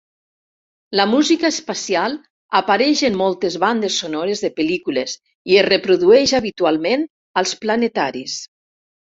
La música espacial apareix en moltes bandes sonores de pel·lícules i es reprodueix habitualment als planetaris.